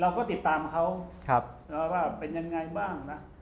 เราก็ติดตามเขาว่าเป็นยังไงบ้างนะ